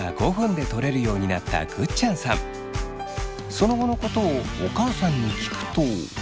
その後のことをお母さんに聞くと。